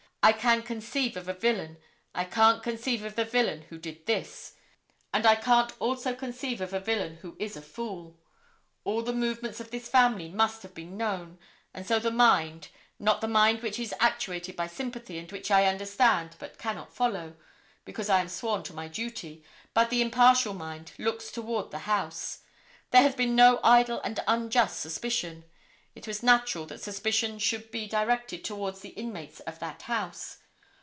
I can conceive of a villain. I can't conceive of the villain who did this; and I can't also conceive of a villain who is a fool. All the movements of this family must have been known, and so the mind, not the mind which is actuated by sympathy and which I understand but cannot follow, because I am sworn to my duty, but the impartial mind looks toward the house. There has been no idle and unjust suspicion. It was natural that suspicion should be directed towards the inmates of that house.